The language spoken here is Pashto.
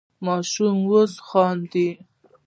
ماشوم اوس خاندي.